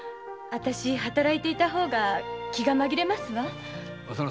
あたし働いていた方が気が紛れますわ。